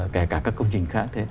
kể cả các công trình khác thế